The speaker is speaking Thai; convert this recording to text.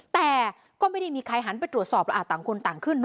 แต่ก็ไม่ได้มีใครหันไปตรวจสอบต่างคนต่างขึ้นเน